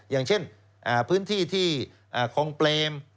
อย่างเช่นพื้นที่ที่คลองเปรม